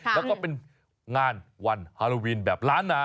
แล้วก็เป็นงานวันฮาโลวินแบบล้านนา